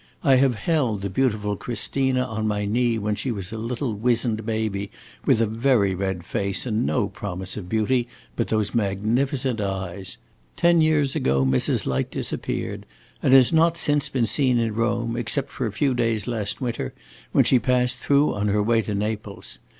I have held the beautiful Christina on my knee when she was a little wizened baby with a very red face and no promise of beauty but those magnificent eyes. Ten years ago Mrs. Light disappeared, and has not since been seen in Rome, except for a few days last winter, when she passed through on her way to Naples.